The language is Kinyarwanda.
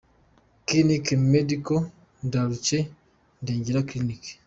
Clinique Medicale de l’Arche, Ndengera Clinic.